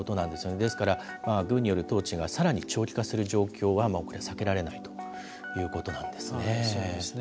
ですから、軍による統治がさらに長期化する状況は、もうこれ、避けられないということなんですよね。